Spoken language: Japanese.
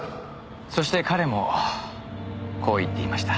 そして彼もこう言っていました。